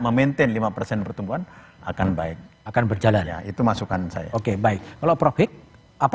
meminder five percent pertumbuhan akan baik akan berjalan yaitu masukkan saya oke baik cut logik apa